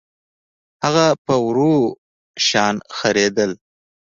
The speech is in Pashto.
هغه په ورو شان خرېدل